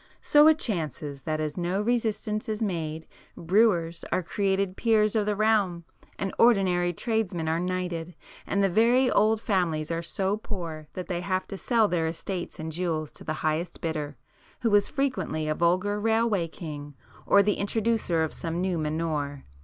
So it chances, that as no resistance is made, brewers are created peers of the realm, and ordinary tradesmen are knighted, and the very old families are so poor that they have to sell their estates and jewels to the highest bidder, who is frequently a vulgar 'railway king' or the introducer of some new manure.